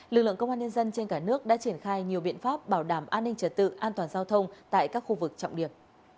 lực lượng công an nhân dân trên cả nước đã triển khai nhiều biện pháp bảo đảm an ninh trật tự an toàn giao thông tại các khu vực trọng điểm